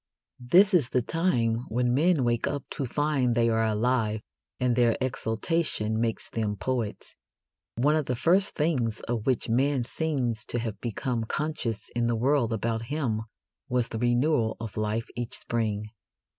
This is the time when men wake up to find they are alive, and their exultation makes them poets. One of the first things of which man seems to have become conscious in the world about him was the renewal of life each spring.